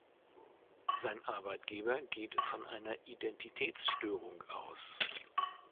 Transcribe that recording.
Sein Arbeitgeber geht von einer Identitätsstörung aus.